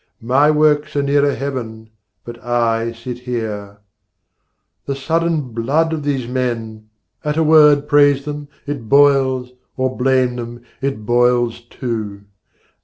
My works are nearer heaven, but I sit here. The sudden blood of these men! at a word Praise them, it boils, or blame them, it boils too.